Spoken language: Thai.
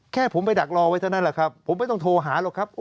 แค่ผมไปดักรอไว้เท่านั้นแหละครับผมไม่ต้องโทรหาหรอกครับ